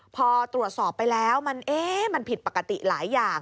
พอตรวจสอบไปแล้วมันผิดปกติหลายอย่าง